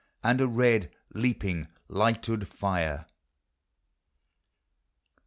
And a red, leaping light'ood fire.